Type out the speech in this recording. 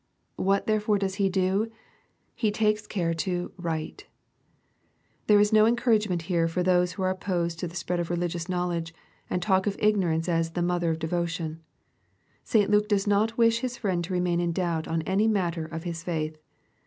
What therefore does he do ? He t akes care to " write/' There is no encouragement here for those who are opposed to the spread of religious knowledge, and talk of ignorance as the " mother of devotion/' St. Luke does not wish his friend to remain in doubt on any matter ot his faith.